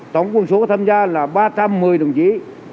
tổng quân số tham gia là ba trăm một mươi đồng chí